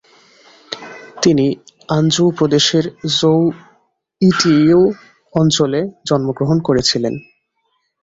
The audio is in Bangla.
তিনি আনজৌ প্রদেশের জৌ-ইটিউ অঞ্চলে জন্মগ্রহণ করেছিলেন।